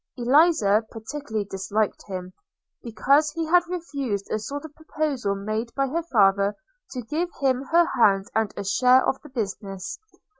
Eliza particularly disliked him, because he had refused a sort of proposal made by her father to give him her hand and a share of the business.